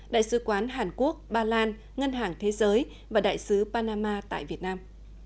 đại sứ quán hàn quốc ba lan ngân hàng thế giới và đại sứ panama tại việt nam